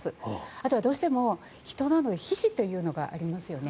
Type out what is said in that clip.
あとはどうしても、人には皮脂というのがありますよね。